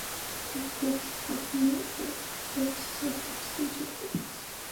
All of Paris is talking about her, though this is her first stage appearance.